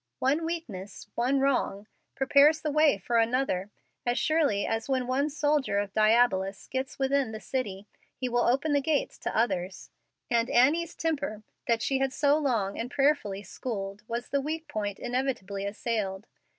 One weakness, one wrong, prepares the way for another as surely as when one soldier of Diabolus gets within the city he will open the gates to others; and Annie's temper, that she had so long and prayerfully schooled, was the weak point inevitably assailed.